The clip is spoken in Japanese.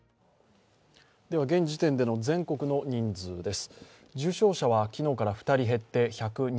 現時点での全国の人数です。